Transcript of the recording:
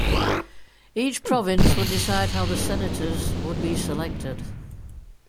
Each province would decide how the senators would be selected.